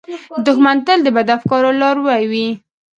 دښمن تل د بدو افکارو لاروي وي